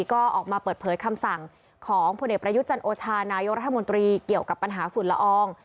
ก็ออกมาเปิดเผยคำสั่งของพลเอกประยุทธ์จันโอชานายกรัฐมนตรีเกี่ยวกับปัญหาฝุ่นละออง